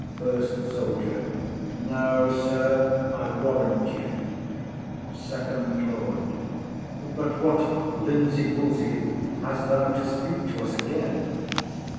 FIRST SOLDIER. No sir, I warrant you. FIRST LORD. But what linsey woolsey has thou to speak to us again?